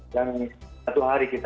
yang satu hari kita